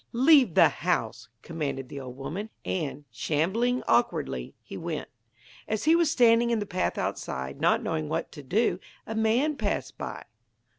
'Leave the house!' commanded the old woman. And, shambling awkwardly, he went. As he was standing in the path outside, not knowing what to do, a man passed by.